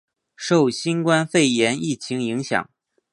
受新冠肺炎疫情影响